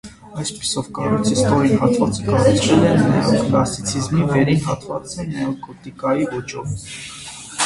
Այսպիսով՝ կառույցի ստորին հատվածը կառուցվել է նեոկլասիցիզմի, վերին հատվածը՝ նեոգոթիկայի ոճով։